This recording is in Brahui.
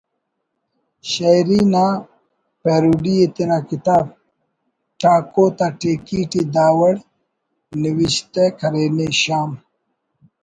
شئیر نا پیروڈی ءِ تینا کتاب ''ٹاکو تا ٹیکی'' ٹی دا وڑ نوشتہ کرینے: ''شام